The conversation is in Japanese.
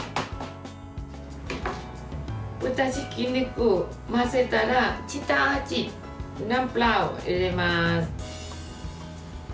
豚ひき肉を混ぜたら下味ナムプラーを入れます。